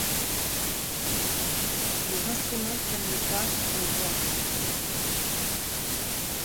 Les instruments prennent le pas sur les voix.